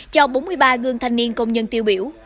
cho bốn mươi ba gương thanh niên công nhân tiêu biểu